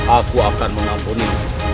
aku akan mengakuni